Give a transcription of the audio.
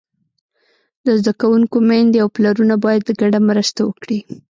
د زده کوونکو میندې او پلرونه باید ګډه مرسته وکړي.